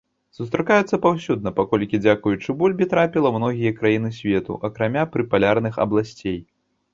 Сустракаюцца паўсюдна, паколькі дзякуючы бульбе трапіла ў многія краіны свету, акрамя прыпалярных абласцей.